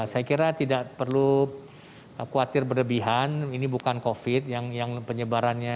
saya kira tidak perlu khawatir berlebihan ini bukan covid yang penyebarannya